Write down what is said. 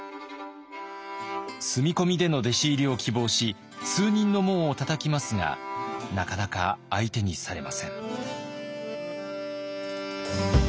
住み込みでの弟子入りを希望し数人の門をたたきますがなかなか相手にされません。